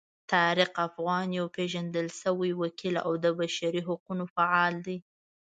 طارق افغان یو پیژندل شوی وکیل او د بشري حقونو فعال دی.